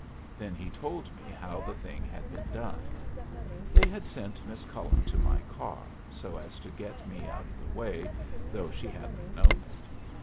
Then he told me how the thing had been done. They had sent Miss Cullen to my car, so as to get me out of the way, though she hadn't known it.